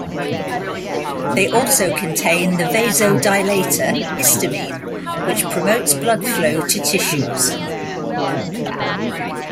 They also contain the vasodilator histamine, which promotes blood flow to tissues.